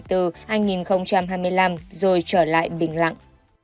từ hai nghìn hai mươi năm rồi trở lại bình lặng